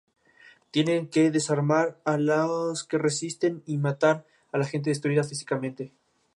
Tienen que desarmar a los que resisten y matar a la gente destruida físicamente".